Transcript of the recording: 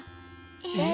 えっ？